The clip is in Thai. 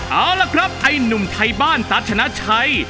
เอาล่ะครับไอ้หนุ่มไทยบ้านตาชนะชัย